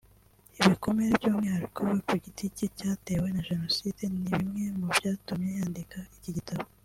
Ibikomere by’umwihariko we ku giti cye yatewe na Jenoside ni bimwe mu byatumye yandika iki gitabo